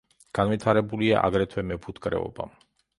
განვითარებულია აგრეთვე მეფუტკრეობა.